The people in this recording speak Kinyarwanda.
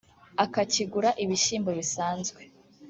akakigura ibishyimbo bisanzwe